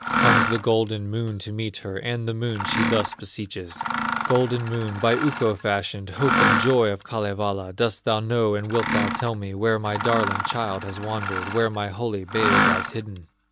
Comes the golden Moon to meet her, And the Moon she thus beseeches: "Golden Moon, by Ukko fashioned, Hope and joy of Kalevala, Dost thou know and wilt thou tell me Where my darling child has wandered, Where my holy babe lies hidden?"